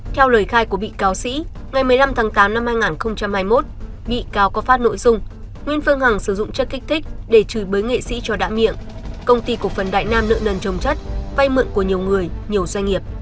theo lời khai của bị cáo sĩ ngày một mươi năm tháng tám năm hai nghìn hai mươi một bị cáo có phát nội dung nguyễn phương hằng sử dụng chất kích thích để chửi bới nghệ sĩ cho đã miệng công ty cổ phần đại nam nợ nần trồng chất vay mượn của nhiều người nhiều doanh nghiệp